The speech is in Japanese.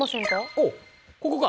おっここか。